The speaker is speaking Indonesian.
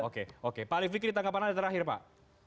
oke pak alief fikri tanggapan anda terakhir pak